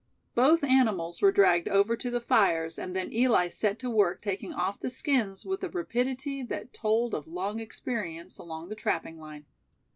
Both animals were dragged over to the fires, and then Eli set to work taking off the skins with a rapidity that told of long experience along the trapping line.